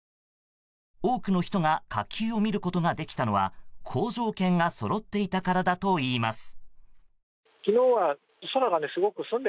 多くの人が火球を見ることができたのは好条件がそろっていたからだといいます。